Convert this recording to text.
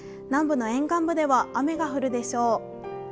南部の沿岸部では雨が降るでしょう。